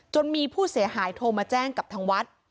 มีผู้เสียหายโทรมาแจ้งกับทางวัด